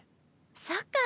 そっか。